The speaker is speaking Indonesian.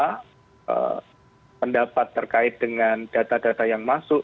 kementerian komite juga menilai pendapat terkait dengan data data yang masuk